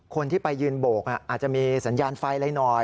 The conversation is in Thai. คนที่ไปยืนโบกอาจจะมีสัญญาณไฟอะไรหน่อย